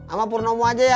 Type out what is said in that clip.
amah purnomo aja ya